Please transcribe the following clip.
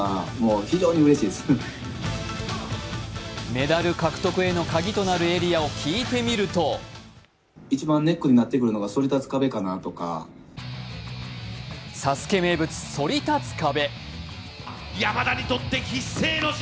メダル獲得へのカギとなるエリアを聞いてみると「ＳＡＳＵＫＥ」名物、そり立つ壁。